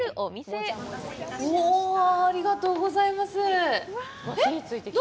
おぉわぁありがとうございます。